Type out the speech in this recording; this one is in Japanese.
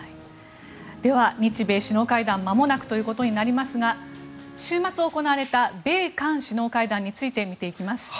では、日米首脳会談まもなくということになりますが週末行われた米韓首脳会談について見ていきます。